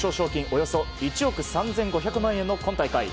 およそ１億３５００万円の今大会。